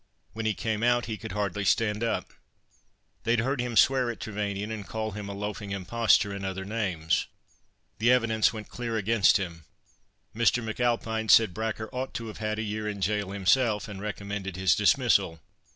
When he came out he could hardly stand up. They'd heard him swear at Trevanion and call him a loafing impostor—and other names. The evidence went clear against him. Mr. McAlpine said Bracker ought to have had a year in gaol himself, and recommended his dismissal.